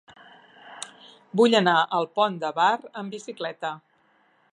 Vull anar al Pont de Bar amb bicicleta.